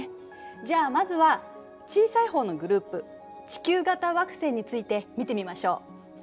じゃあまずは小さい方のグループ地球型惑星について見てみましょう。